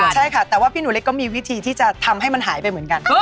ใช่ค่ะแต่ว่าพี่หนูเล็กก็มีวิธีที่จะทำให้มันหายไปเหมือนกัน